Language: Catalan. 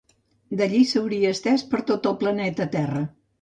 D'allí s'hauria estès per tot el planeta Terra.